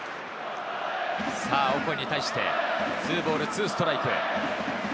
さぁオコエに対して２ボール２ストライク。